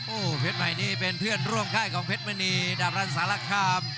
โอ้โหเพชรใหม่นี่เป็นเพื่อนร่วมค่ายของเพชรมณีดาบรันสารคาม